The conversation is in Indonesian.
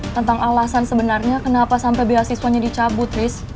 tentang alasan sebenarnya kenapa sampe beasiswanya dicabut riz